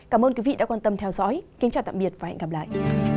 cảm ơn quý vị đã quan tâm theo dõi kính chào tạm biệt và hẹn gặp lại